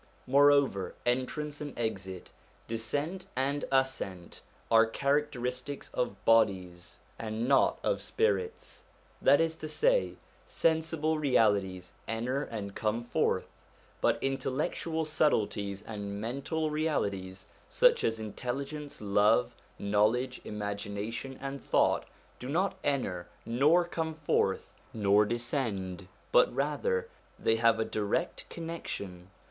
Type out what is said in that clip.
Moreover, entrance and exit, descent and ascent, are characteristics of bodies and not of spirits. That is to say, sensible realities enter and come forth, but intellectual subtleties and mental realities, such as intelligence, love, knowledge, imagination and thought, do not enter, nor come forth, nor descend, but rather they have direct connection.